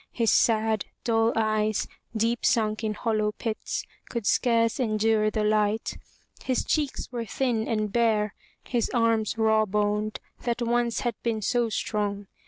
His sad, dull eyes, deep sunk in hollow pits, could scarce endure the light. His cheeks were thin and bare, his arms rawboned, that once had been so strong.